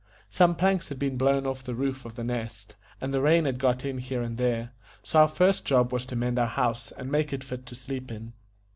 Some planks had been blown off the roof of The Nest, and the rain had got in here and there; so our first job was to mend our house, and make it fit to sleep in.